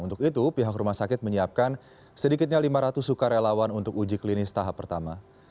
untuk itu pihak rumah sakit menyiapkan sedikitnya lima ratus sukarelawan untuk uji klinis tahap pertama